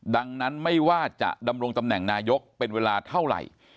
ดังนั้นไม่ว่าจะดำรงตำแหน่งนายกเป็นเวลาเท่าไหร่